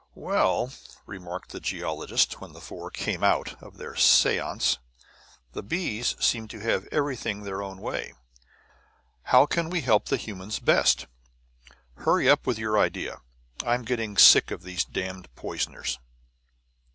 "Well," remarked the geologist, when the four "came out" of their seance, "the bees seem to have everything their own way. How can we help the humans best? Hurry up with your idea; I'm getting sick of these damned poisoners."